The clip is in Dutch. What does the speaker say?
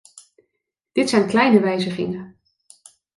Dit zijn kleine wijzigingen.